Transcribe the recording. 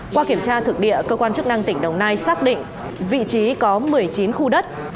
qua kiểm tra thực địa cơ quan chức năng tỉnh đồng nai xác định vị trí có một mươi chín khu đất